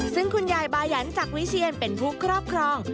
ซึ่งคุณยายบายันจากวิเชียนเป็นผู้ครอบครอง